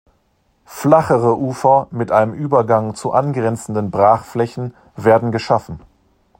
Flachere Ufer mit einem Übergang zu angrenzenden Brachflächen werden geschaffen.